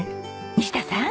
西田さん。